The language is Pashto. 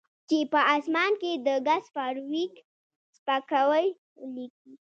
چې په اسمان کې د ګس فارویک سپکاوی لیکي